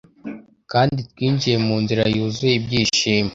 Kandi twinjiye munzira yuzuye ibyishimo